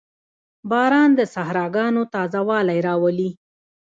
• باران د صحراګانو تازهوالی راولي.